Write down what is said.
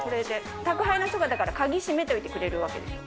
宅配の人が鍵閉めといてくれるわけですよね。